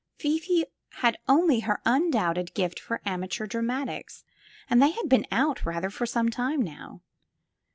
Fifi had only her undoubted gift for amateur dramatics, and they have been "out,'' rather, for some time now.